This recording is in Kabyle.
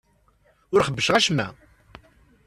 Ur xebbceɣ acemma.